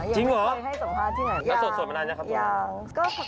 จริงเหรอแล้วสดมานานแล้วครับยัง